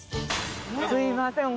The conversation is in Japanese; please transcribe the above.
すいません。